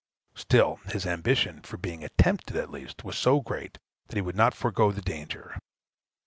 Still his ambition, for being attempted at least, was so great, that he would not forego the danger.